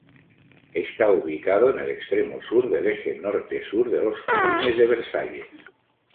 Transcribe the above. Está ubicado en el extremo sur del eje norte-sur de los jardines de Versalles.